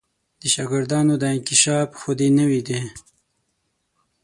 د شاګردانو دا انکشاف خو دې نوی دی.